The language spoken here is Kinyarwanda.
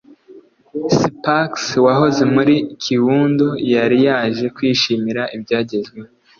Spax wahoze muri Kiwundo yari yaje kwishimira ibyagezweho